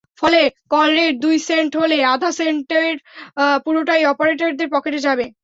ফলে কলরেট দুই সেন্ট হলে আধা সেন্টের পুরোটাই অপারেটরদের পকেটে যাবে।